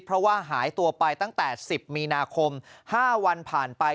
เพราะว่าหายตัวไปตั้งแต่๑๐มีนาคม๕วันผ่านไป